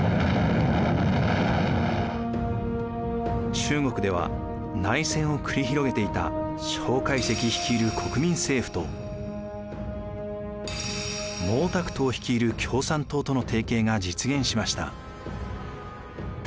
中国では内戦を繰り広げていた蒋介石率いる国民政府と毛沢東率いる共産党との提携が実現しました。